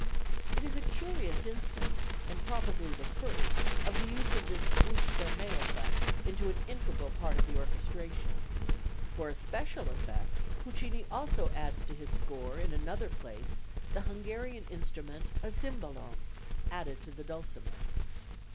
It is a curious instance, and probably the first, of the use of this "bouche fermée" effect as an integral part of the orchestration. For a special effect, Puccini also adds to his score in another place the Hungarian instrument, a czimbalom, added to the dulcimer.